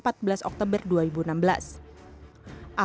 diki salamatsia south review lima inyak lalu menerima prisons pecah